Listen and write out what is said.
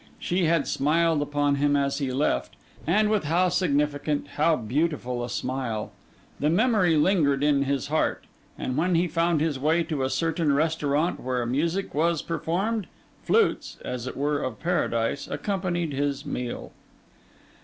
She had smiled upon him as he left, and with how significant, how beautiful a smile! The memory lingered in his heart; and when he found his way to a certain restaurant where music was performed, flutes (as it were of Paradise) accompanied his meal.